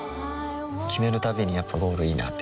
決めるたびにやっぱゴールいいなってふん